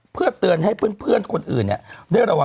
พี่แอมค่ะเน็บใครคะ